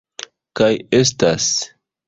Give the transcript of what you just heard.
Kaj estas